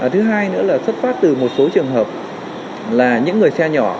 thứ hai nữa là xuất phát từ một số trường hợp là những người xe nhỏ